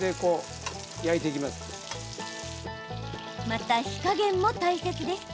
また、火加減も大切です。